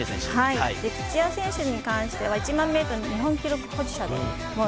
土屋選手に関しては１００００ｍの日本記録保持者です。